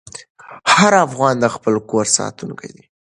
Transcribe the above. هر افغان د خپل کور ساتونکی دی.